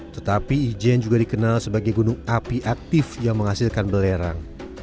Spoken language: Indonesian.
tetapi ijen juga dikenal sebagai gunung api aktif yang menghasilkan belerang